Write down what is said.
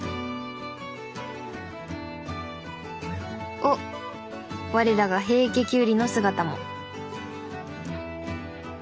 おっ我らが平家キュウリの姿も。